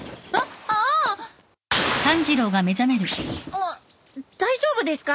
あっ大丈夫ですか？